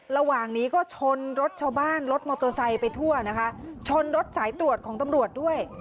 ระหว่างนี้ก็ชนรถชาวบ้านรถมอเตอร์ไซค์ไปทั่วนะคะชนรถสายตรวจของตำรวจด้วย